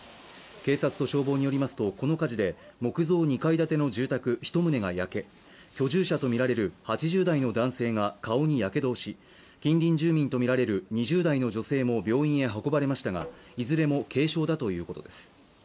警察と消防によりますとこの火事で木造２階建ての住宅１棟が焼け居住者とみられる８０代の男性が顔にやけどをし近隣住民とみられる２０代の女性も病院へ運ばれましたがいずれも軽傷だとのことです。